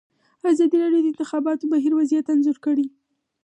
ازادي راډیو د د انتخاباتو بهیر وضعیت انځور کړی.